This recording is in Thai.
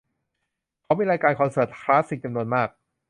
เขามีรายการคอนเสิร์ตคลาสสิกจำนวนมาก